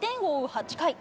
８回。